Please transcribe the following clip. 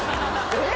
えっ！